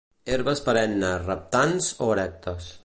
Herbes perennes reptants o erectes.